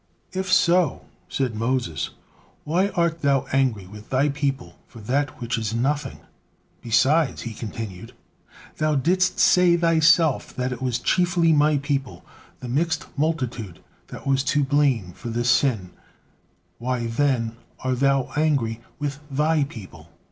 "If so," said Moses, "why art Thou angry with Thy people for that which is nothing?" "Besides," he continued, "Thou didst say Thyself that it was chiefly my people, the mixed multitude, that was to blame for this sin, why then are Thou angry with Thy people?